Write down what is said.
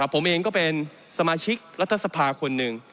ผมเองก็เป็นสมาชิกรัฐสภาคนหนึ่ง